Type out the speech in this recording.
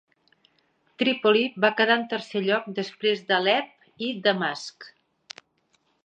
Trípoli va quedar en tercer lloc després Alep i Damasc.